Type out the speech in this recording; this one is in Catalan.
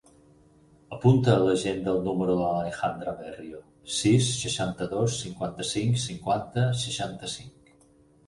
Apunta a l'agenda el número de l'Alejandra Berrio: sis, seixanta-dos, cinquanta-cinc, cinquanta, seixanta-cinc.